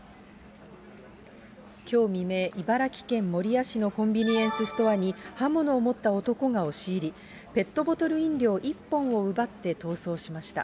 きょう未明、茨城県守谷市のコンビニエンスストアに、刃物を持った男が押し入り、ペットボトル飲料１本を奪って逃走しました。